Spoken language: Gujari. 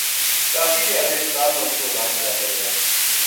کافی دھیاڑا ہسپتال ما اسکو علاج کراتا رہیا